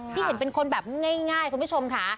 ที่เห็นเป็นคนแบบง่ายคุณผู้ชมค่ะ